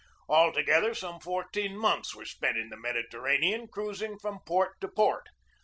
Altogether, some fourteen months were spent in the Mediterranean, cruising from port to port.